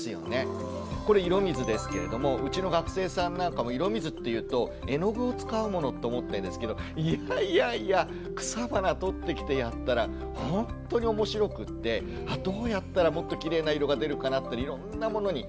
これ色水ですけれどもうちの学生さんなんかも色水っていうと絵の具を使うものと思ってるんですけどいやいやいや草花とってきてやったらほんとに面白くってあどうやったらもっときれいな色が出るかなっていろんなものに。